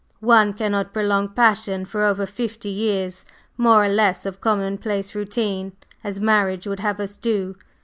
One cannot prolong passion over fifty years, more or less, of commonplace routine, as marriage would have us do.